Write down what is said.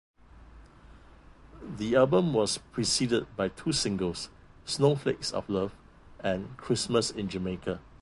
The album was preceded by two singles "Snowflakes of Love" and "Christmas in Jamaica".